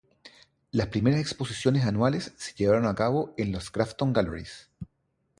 Las primeras exposiciones anuales se llevaron a cabo en las Grafton Galleries.